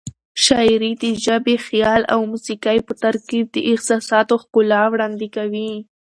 شاعري د ژبې، خیال او موسيقۍ په ترکیب د احساساتو ښکلا وړاندې کوي.